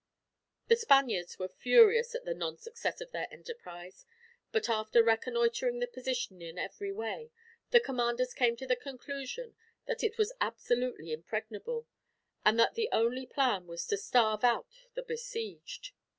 The Spaniards were furious at the non success of their enterprise, but after reconnoitering the position in every way, the commanders came to the conclusion that it was absolutely impregnable, and that the only plan was to starve out the besieged.